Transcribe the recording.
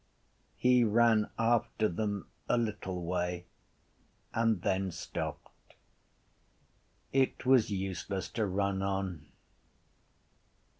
He ran after them a little way and then stopped. It was useless to run on.